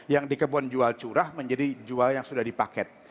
yang di kebun jual curah menjadi jual yang sudah dipaket